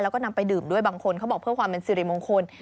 แล้วก็นำไปดื่มด้วยบางคนเขาบอกเพื่อความเป็นสิริมงคล